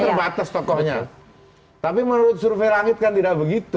terbatas tokohnya tapi menurut survei langit kan tidak begitu